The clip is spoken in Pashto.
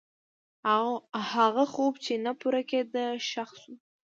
هغه خوب چې نه پوره کېده، ښخ شو.